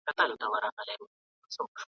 مخکي له خپلي غېږي څخه